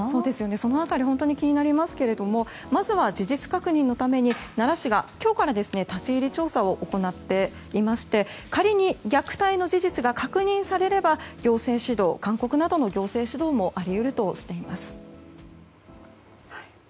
その辺り、本当に気になりますけどもまずは事実確認のために奈良市が、今日から立ち入り調査を行っていまして仮に虐待の事実が確認されれば勧告などの行政指導もあり得るとしています。